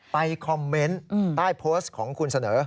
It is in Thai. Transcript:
ไปคอมเมนต์ใต้โพสต์ของคุณเสนอ